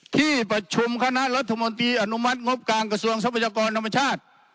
ที่ประชุมคณะรัฐมนตรีอนุมัติงบกลางกระทรวงทรัพยากรธรรมชาติ